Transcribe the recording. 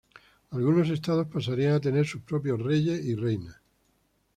Algunos estados pasarían a tener sus propias reyes y reinas.